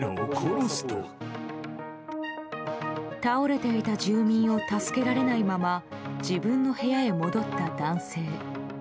倒れていた住民を助けられないまま自分の部屋へ戻った男性。